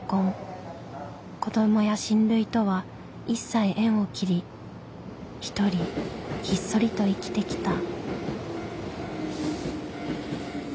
子どもや親類とは一切縁を切り独りひっそりと生きてきた。